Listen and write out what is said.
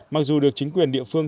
mặc dù được chính quyền địa phương